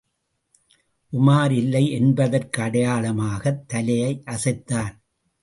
உமார் இல்லை என்பதற்கடையாளமாகத் தலையை அசைத்தான்.